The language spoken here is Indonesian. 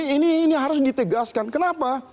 ini harus ditegaskan kenapa